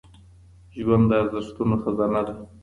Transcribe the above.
ژوند د ارزښتونو خزانه ده